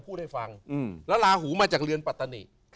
พูดให้ฟังแล้วลาหูมาจากเรือนปัตตานิ